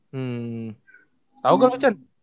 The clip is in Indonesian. hmm tau gak lu cen